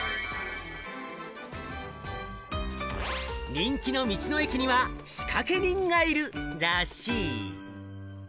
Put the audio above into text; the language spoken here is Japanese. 人気の道の駅には仕掛け人がいるらしい。